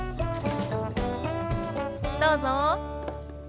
どうぞ。